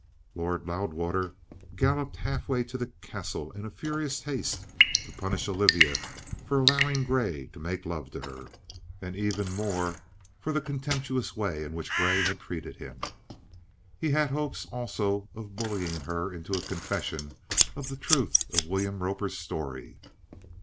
Lord Loudwater galloped half way to the Castle in a furious haste to punish Olivia for allowing Grey to make love to her, and even more for the contemptuous way in which Grey had treated him. He had hopes also of bullying her into a confession of the truth of William Roper's story.